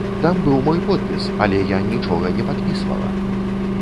Там быў мой подпіс, але я нічога не падпісвала!